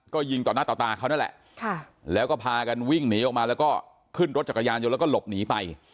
ก็ยิงต่อหน้าต่อตาเขานั่นแหละแล้วก็พากันวิ่งหนีออกมาแล้วก็ขึ้นรถจักรยานยนต์แล้วก็หลบหนีไป